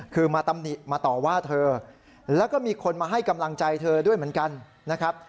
คือมาตำหนิมาต่อว่าเธอแล้วก็มีคนมาให้กำลังใจเธอด้วยเหมือนกันนะครับ